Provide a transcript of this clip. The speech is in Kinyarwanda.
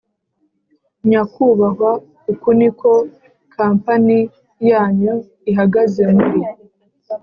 nyakubahwa uku niko kampani yanyu ihagaze mur